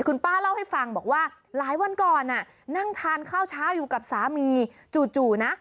คุณป้าเล่าให้ฟังบอกว่าหลายวันก่อนนั่งทานข้าวเช้าอยู่กับสามีจู่นะ